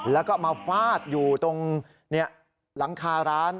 แล้วก็มาฟาดอยู่ตรงหลังคาร้าน